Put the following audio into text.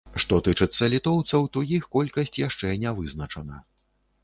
Што тычыцца літоўцаў, то іх колькасць яшчэ не вызначана.